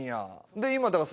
で今だから。